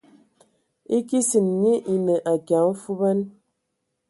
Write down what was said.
E kesin nyi enə akia mfuban.